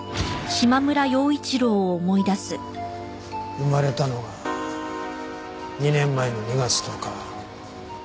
生まれたのは２年前の２月１０日。